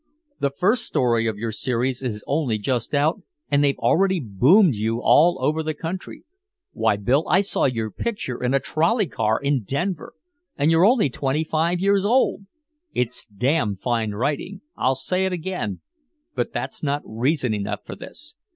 The first story of your series is only just out and they've already boomed you all over the country. Why, Bill, I saw your picture in a trolley car in Denver and you're only twenty five years old! It's damn fine writing, I'll say it again, but that's not reason enough for this.